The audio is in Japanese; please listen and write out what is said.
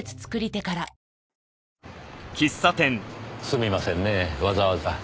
すみませんねぇわざわざ。